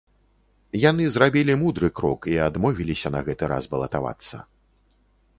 Яны зрабілі мудры крок і адмовіліся на гэты раз балатавацца.